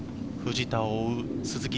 藤田を追う鈴木。